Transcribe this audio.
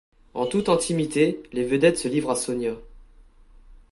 En toute intimité, les vedettes se livrent à Sonia.